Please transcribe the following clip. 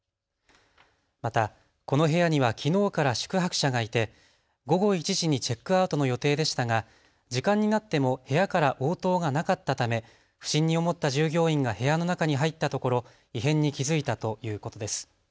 またこの部屋にはきのうから宿泊者がいて午後１時にチェックアウトの予定でしたが時間になっても部屋から応答がなかったため不審に思った従業員が部屋の中に入ったところ異変に気付いたということです。